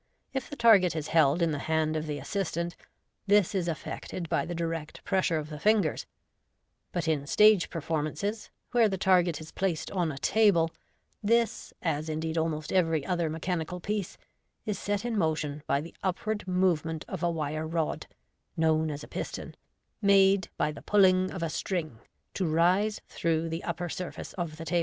If the target is held in the hand of the assistant, this is effected by the direct pres sure of the ringers j but in stage performances, where the target is placed Dn a table, this, as indeed almost every other mechanical piece, is set in motion by the upward movement of a wire rod (known as a piston), made, by the pulling of a string, to rise through the uppei surface of the table.